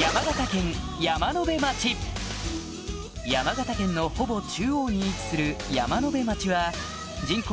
山形県のほぼ中央に位置する山辺町は人口